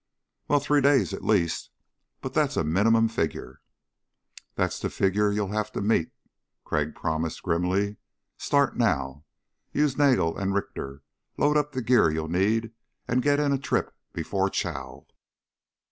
"Well, three days, at least. But that's a minimum figure." "That's the figure you'll have to meet," Crag promised grimly. "Start now. Use Nagel and Richter. Load up the gear you'll need and get in a trip before chow."